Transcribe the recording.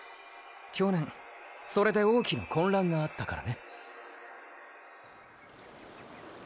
去年それで大きな混乱があったからね。